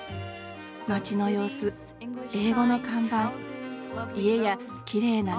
街の様子、英語の看板家や、きれいな道